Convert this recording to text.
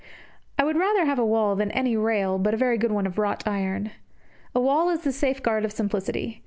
I would rather have a wall than any rail but a very good one of wrought iron. A wall is the safeguard of simplicity.